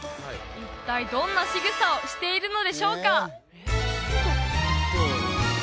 一体どんなしぐさをしているのでしょうか？